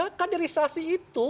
ya kaderisasi itu